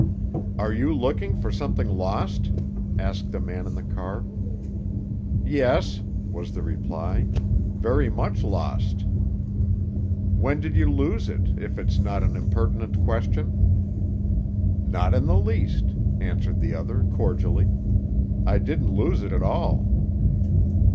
"Are you looking for something lost?" asked the man in the car. "Yes," was the reply. "Very much lost." "When did you lose it, if it's not an impertinent question?" "Not in the least," answered the other cordially. "I didn't lose it at all."